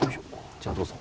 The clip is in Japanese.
じゃあどうぞ。